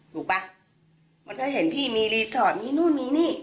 ป่ะมันก็เห็นพี่มีรีสอร์ทมีนู่นมีนี่